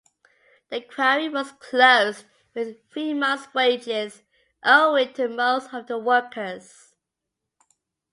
The quarry was closed with three months wages owing to most of the workers.